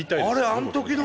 あの時の！